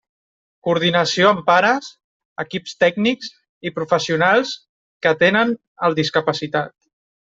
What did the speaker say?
Coordinació amb pares, equips tècnics i professionals que atenen el discapacitat.